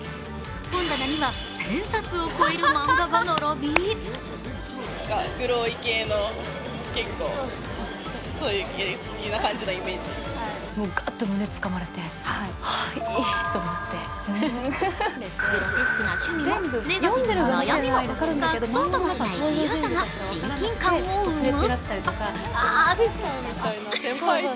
本棚には１０００冊を超える漫画が並びグロテスクな趣味も、ネガティブな悩みも隠そうともしない自由さが親近感を生む。